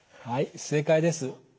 はい正解です。